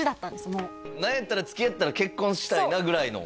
もう何やったら付き合ったら結婚したいなぐらいの？